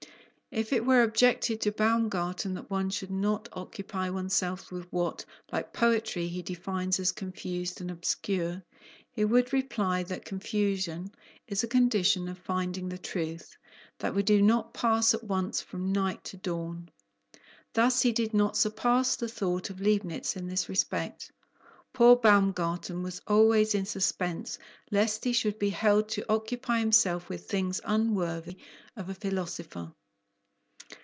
If it were objected to Baumgarten that one should not occupy oneself with what, like poetry, he defines as confused and obscure, he would reply that confusion is a condition of finding the truth, that we do not pass at once from night to dawn. Thus he did not surpass the thought of Leibnitz in this respect. Poor Baumgarten was always in suspense lest he should be held to occupy himself with things unworthy of a philosopher!